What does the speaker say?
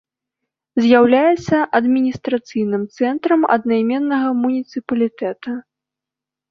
З'яўляецца адміністрацыйным цэнтрам аднайменнага муніцыпалітэта.